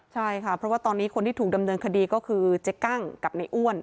ใช่ค่ะเพราะว่าตอนนี้คนที่ถูกดำเนินคดีก็คือเจ๊กั้งกับในอ้วน